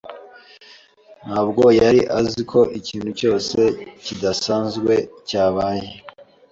ntabwo yari azi ko ikintu cyose kidasanzwe cyabaye.